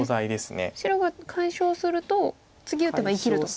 白が解消すると次打てば生きると。